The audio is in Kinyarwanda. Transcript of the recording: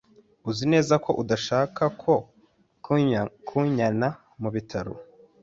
Uzi neza ko udashaka ko nkujyana mu bitaro?